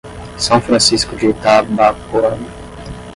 São Francisco de Itabapoana